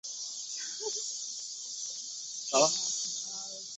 结眼蝶属是眼蝶亚科眼蝶族珍眼蝶亚族中的一个属。